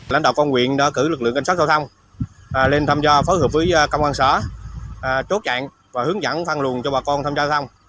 lãnh đạo công nguyện đã cử lực lượng canh sát giao thông lên thăm cho phối hợp với công an sở trốt trạng và hướng dẫn phan luận cho bà con thăm cho giao thông